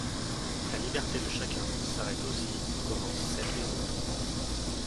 La liberté de chacun s’arrête aussi où commence celle des autres.